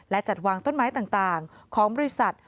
และจัดวางต้นไม้ต่างของบริษัท